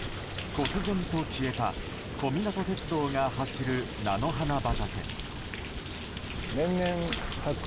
こつぜんと消えた小湊鉄道が走る菜の花畑。